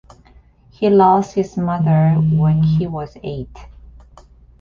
He lost his mother when he was eight.